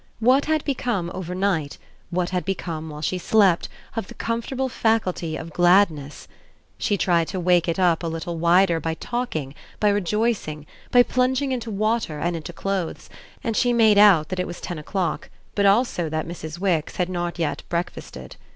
What had become overnight, what had become while she slept, of the comfortable faculty of gladness? She tried to wake it up a little wider by talking, by rejoicing, by plunging into water and into clothes, and she made out that it was ten o'clock, but also that Mrs. Wix had not yet breakfasted.